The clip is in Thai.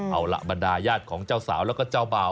เอาล่ะบรรดาญาติของเจ้าสาวแล้วก็เจ้าบ่าว